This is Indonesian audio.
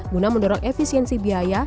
guna mendorong efisiensi biaya